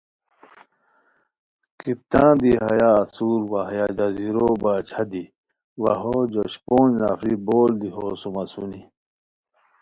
کپتان دی ہیا اسور وا ہیہ جزیرو باچھا دی وا ہو جوش پونج نفری بول دی ہوسُوم اسونی